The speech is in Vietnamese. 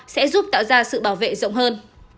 sẽ giúp tạo ra sự bảo vệ rộng hơn